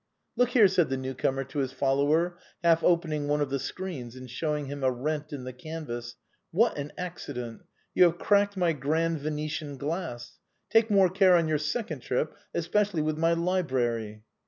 " Look here," said the new comer to his follower, half opening one of the screens and showing him a rent in the canvas, " what an accident ! You have cracked my grand Venetian glass. Take more care on your second trip, especially with my library."